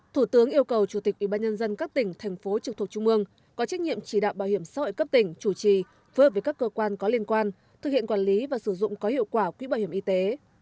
thủ tướng yêu cầu chủ tịch ubnd các tỉnh thành phố trực thuộc trung mương có trách nhiệm chỉ đạo bảo hiểm xã hội cấp tỉnh chủ trì phối hợp với các cơ quan có liên quan thực hiện quản lý và sử dụng có hiệu quả quỹ bảo hiểm y tế